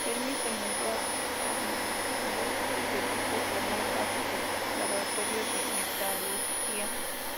Fermi se mudó a disgusto y su equipo formó parte del Laboratorio de Metalurgia.